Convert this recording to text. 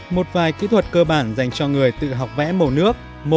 một vài kỹ thuật cơ bản dành cho người tự học vẽ màu nước